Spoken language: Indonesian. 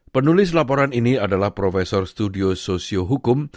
penulis laporan ini adalah profesor studio sosio hukum